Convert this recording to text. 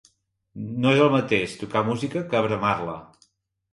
No és el mateix tocar música que bramar-la.